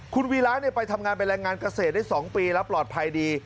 คุณวีระไปทำงานเป็นแรงงานเกษตรได้๒ปีแล้วปลอดภัยดี